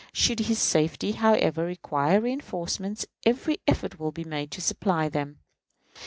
Should his safety, however, require reënforcements, every effort will be made to supply them.